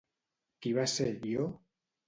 Qui va ser Ió?